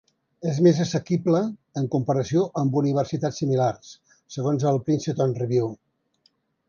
És més assequible, en comparació amb universitats similars, segons el Princeton Review.